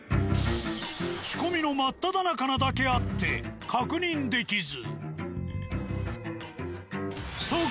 仕込みの真っただ中なだけあって確認できず。